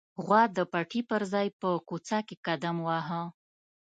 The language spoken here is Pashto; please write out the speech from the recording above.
غوا د پټي پر ځای په کوڅه کې قدم واهه.